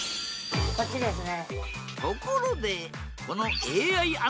こっちですね。